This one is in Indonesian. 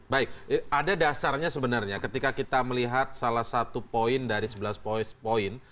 baik ada dasarnya sebenarnya ketika kita melihat salah satu poin dari sebelas poin poin